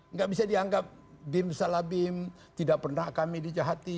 nggak bisa dianggap bim salabim tidak pernah kami dijahati